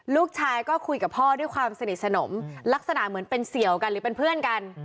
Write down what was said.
ลูกชายก็คุยกับพ่อด้วยความสนิทสนมลักษณะเหมือนเป็นเสี่ยวกันหรือเป็นเพื่อนกัน